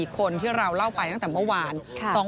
๔คนที่เราเล่าไปตั้งแต่เมื่อวาน